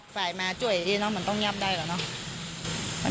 ไฟมาจ่วยเองเนอะมันต้องเงียบได้ก่อนเนอะ